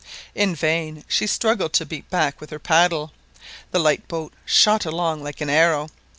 In vain she struggled to beat back with her paddle, the light boat shot along like an arrow.